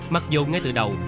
mặc dù ngay từ đầu